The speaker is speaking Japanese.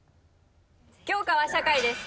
教科は社会です。